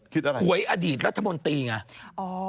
หวยอดีตรัฐมนตรีไง